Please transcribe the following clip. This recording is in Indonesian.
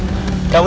rus yang terbawah